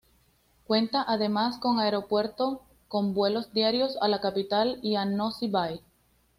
Cuenta además con aeropuerto con vuelos diarios a la capital y a Nosy Be.